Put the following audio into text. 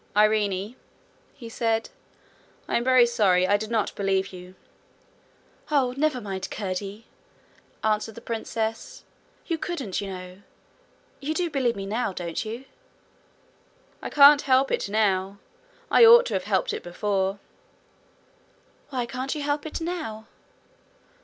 'Irene,' he said, 'I am very sorry I did not believe you.' 'Oh, never mind, Curdie!' answered the princess. 'You couldn't, you know. You do believe me now, don't you?' 'I can't help it now. I ought to have helped it before.' 'Why can't you help it now?'